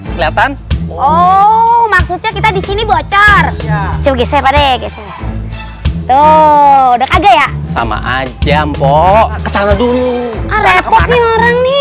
kelihatan oh maksudnya kita disini bocor tuh udah kagak sama aja mbok kesana dulu